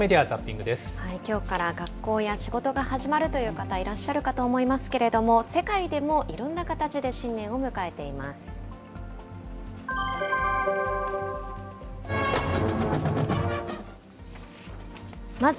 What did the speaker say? きょうから学校や仕事が始まるという方、いらっしゃるかと思いますけれども、世界でもいろんな形で新年を迎えています。